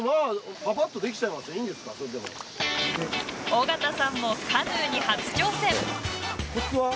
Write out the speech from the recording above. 尾形さんもカヌーに初挑戦！